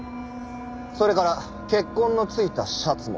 それから血痕の付いたシャツも。